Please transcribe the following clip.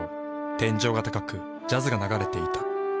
天井が高くジャズが流れていた。